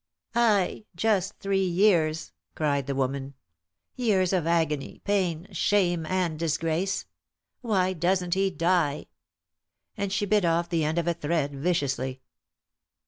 "Aye, just three years!" cried the woman. "Years of agony, pain, shame and disgrace. Why doesn't he die!" and she bit off the end of a thread viciously.